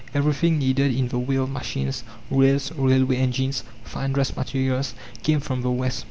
Everything needed in the way of machines, rails, railway engines, fine dress materials, came from the West.